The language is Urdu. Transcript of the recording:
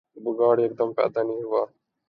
بگاڑ یکدم پیدا نہیں ہوا۔